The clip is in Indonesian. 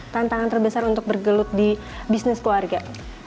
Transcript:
tantangan terbesar untuk bergelut di bisnis keluarga